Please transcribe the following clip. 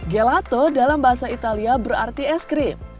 gelato dalam bahasa italia berarti es krim